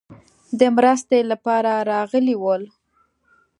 د مرستې لپاره راغلي ول.